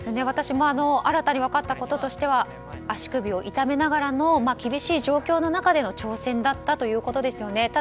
私も新たに分かったこととしては足首を痛めながらの厳しい状況の中での挑戦だったということですよね。